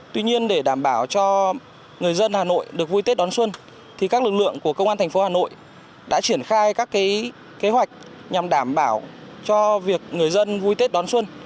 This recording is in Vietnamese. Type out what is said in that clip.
tuy nhiên để đảm bảo cho người dân hà nội được vui tết đón xuân các lực lượng của công an thành phố hà nội đã triển khai các kế hoạch nhằm đảm bảo cho việc người dân vui tết đón xuân